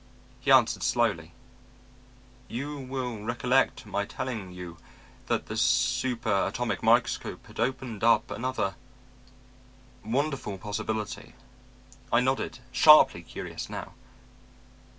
He answered slowly: "'You will recollect my telling you that the super atomic microscope had opened up another wonderful possibility?' "I nodded, sharply curious now.